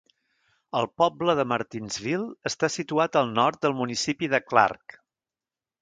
El poble de Martinsville està situat al nord del municipi de Clark.